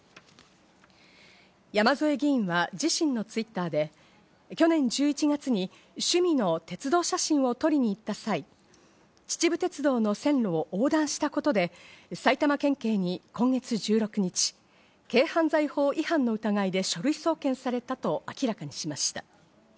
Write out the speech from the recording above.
山添議員は自身のＴｗｉｔｔｅｒで去年１１月に趣味の鉄道写真を撮りに行った際、秩父鉄道の線路を横断したことで埼玉県警に今月１６日、軽犯罪法違反の疑いで書類送検されたと明らかにしました。